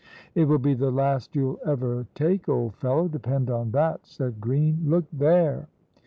"It will be the last you'll ever take, old fellow, depend on that," said Green. "Look there!"